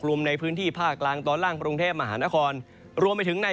รวมในพื้นที่ภาคกลางตอนล่างกรุงเทพมหานครรวมไปถึงใน